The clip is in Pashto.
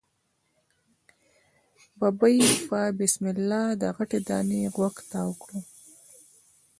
ببۍ په بسم الله د غټې دانی غوږ تاو کړ.